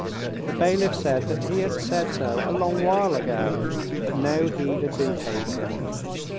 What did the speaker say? The bailiff said that he had said so a long while ago, but no heed had been paid him.